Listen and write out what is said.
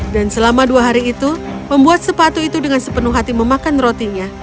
dan selama dua hari itu membuat sepatu itu dengan sepenuh hati memakan rotinya